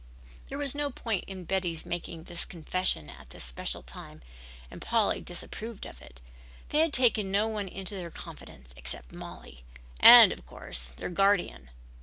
There was no point in Betty's making this confession at this special time and Polly disapproved of it. They had taken no one into their confidence except Mollie, and, of course, their guardian.